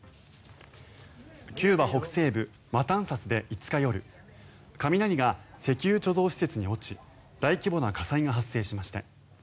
キューバ北西部マタンサスで５日夜雷が石油貯蔵施設に落ち大規模な火災が発生しました。